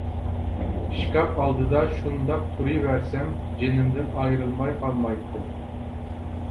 ئىشكاپ ئالدىدا شۇنداق تۇرۇۋەرسەم جېنىمدىن ئايرىلماي قالمايتتىم.